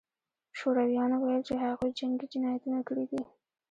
شورویانو ویل چې هغوی جنګي جنایتونه کړي دي